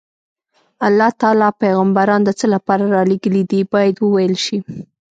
الله تعالی پیغمبران د څه لپاره رالېږلي دي باید وویل شي.